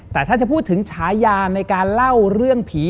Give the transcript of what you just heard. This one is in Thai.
แต่ถ้าจะพูดถึงฉายาในการเล่าเรื่องผี